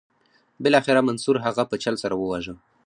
بالاخره منصور هغه په چل سره وواژه.